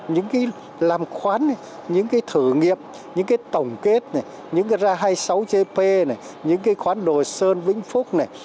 những cái làm khoán những cái thử nghiệp những cái tổng kết này những cái ra hai mươi sáu gp này những cái khoán đồ sơn vĩnh phúc này